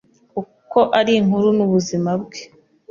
kuko ari inkuru n’ubuzima bwe,